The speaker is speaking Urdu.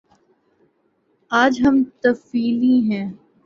آج ہم طفیلی ہیں۔